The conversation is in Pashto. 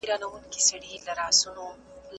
د خالق په نافرمانۍ کي د مخلوق پيروي نسته.